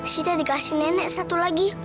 sudah dikasih nenek satu lagi